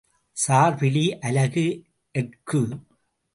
சார்பிலி அலகு எர்க்கு.